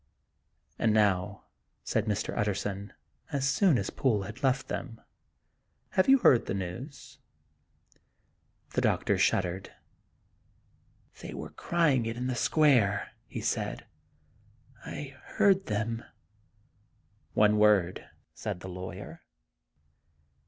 " And now," said Mr. Utterson, as soon as Poole had left them, "have you heard the news ?" The doctor shuddered. "They were crying it in the square," he said ;" I heard them." " One word," said the lawyer.